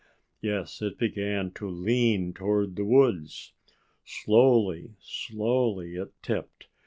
Yes! it began to lean toward the woods. Slowly, slowly it tipped.